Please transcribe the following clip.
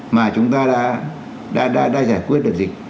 mà chúng ta đã giải quyết được dịch